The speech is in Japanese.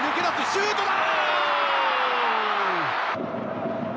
シュートだ！